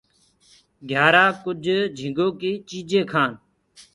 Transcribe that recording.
گھيآرآ ڪُج جھِنگو ڪي چيجينٚ کآن۔